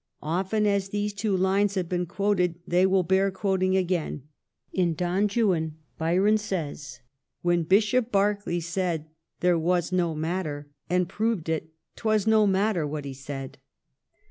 Often as these two lines have been quoted they will bear quoting again. In ' Don Juan ' Byron says : When Bishop Berkeley said there was no matter And proved it, 'twas no matter what he said.